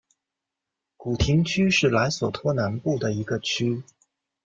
古廷区是莱索托南部的一个区。